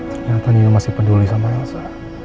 ternyata nino masih peduli sama elsa